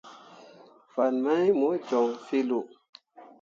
Fan mai mo joŋ feelao.